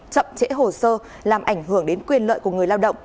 chậm trễ hồ sơ làm ảnh hưởng đến quyền lợi của người lao động